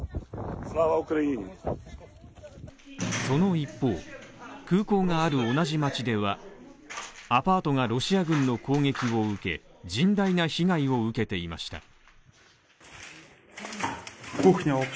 その一方、空港がある同じ町ではアパートがロシア軍の攻撃を受け甚大な被害を受けていました。